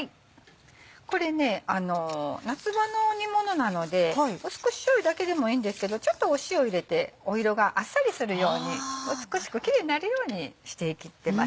これ夏場の煮ものなので淡口しょうゆだけでもいいんですけどちょっと塩を入れて色があっさりするように美しくキレイになるようにして。